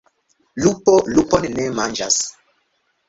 Lupo lupon ne manĝas.